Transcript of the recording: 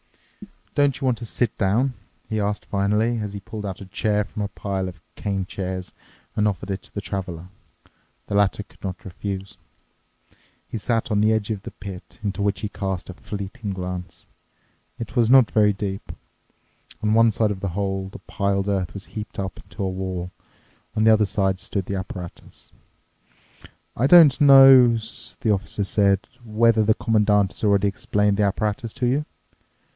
"Don't you want to sit down?" he asked finally, as he pulled out a chair from a pile of cane chairs and offered it to the Traveler. The latter could not refuse. He sat on the edge of the pit, into which he cast a fleeting glance. It was not very deep. On one side of the hole the piled earth was heaped up into a wall; on the other side stood the apparatus. "I don't know," the officer said, "whether the Commandant has already explained the apparatus to you."